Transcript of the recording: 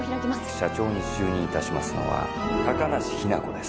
社長に就任いたしますのは高梨雛子です。